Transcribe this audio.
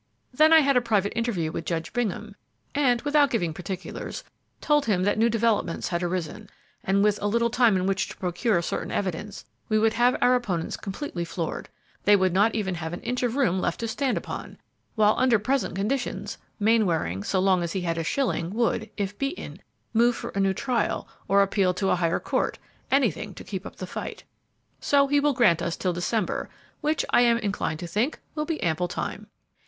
Then I had a private interview with Judge Bingham, and, without giving particulars, told him that new developments had arisen, and, with a little time in which to procure certain evidence, we would have our opponents completely floored, they would not even have an inch of room left to stand upon, while under present conditions, Mainwaring, so long as he had a shilling, would, if beaten, move for a new trial, or appeal to a higher court, anything to keep up the fight. So he will grant us till December, which, I am inclined to think, will be ample time."